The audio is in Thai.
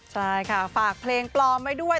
ใช่ค่ะฝากเพลงปลอมไว้ด้วย